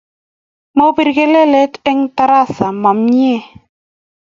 Mopir kelelet eng' tarasa ma mye.